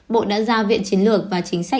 bộ đã giao viện chiến lược và chính sách